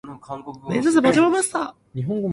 心只是擔心著那小子